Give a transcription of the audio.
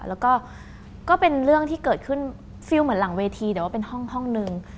แล้วก็มีเรื่องที่เกิดขึ้นฟิล์มเหมือนหลังเวทีนั้นก็ในห้องนึง